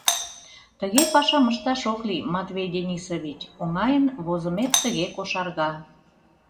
Тыге пашам ышташ ок лий, Матвей Денисович!» — оҥайын возымет тыге кошарга.